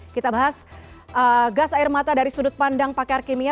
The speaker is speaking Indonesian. kita bahas gas air mata dari sudut pandang pakar kimia